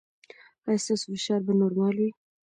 ایا ستاسو فشار به نورمال وي؟